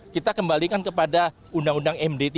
kita kembalikan kepada undang undang md tiga